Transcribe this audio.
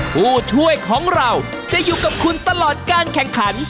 ผู้ช่วยของเราจะอยู่กับคุณตลอดการแข่งขัน